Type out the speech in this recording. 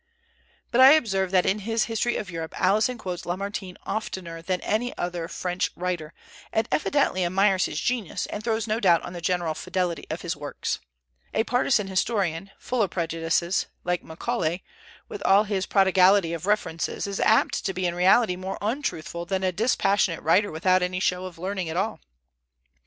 But I observe that in his "History of Europe" Alison quotes Lamartine oftener than any other French writer, and evidently admires his genius, and throws no doubt on the general fidelity of his works. A partisan historian full of prejudices, like Macaulay, with all his prodigality of references, is apt to be in reality more untruthful than a dispassionate writer without any show of learning at all.